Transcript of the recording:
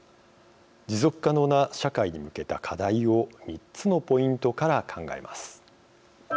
持続可能な社会に向けた課題を３つのポイントから考えます。